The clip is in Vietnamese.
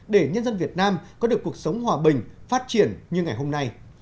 để nhân dân việt nam có được cuộc sống hòa bình phát triển như ngày hôm nay